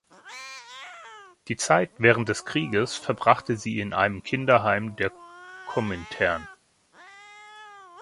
Die Zeit während des Krieges verbrachte sie in einem Kinderheim der Komintern.